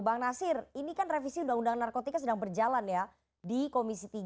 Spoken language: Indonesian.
bang nasir ini kan revisi undang undang narkotika sedang berjalan ya di komisi tiga